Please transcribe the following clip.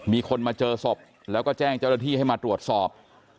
มีคนมาเจอศพแล้วก็แจ้งเจ้าหน้าที่ให้มาตรวจสอบ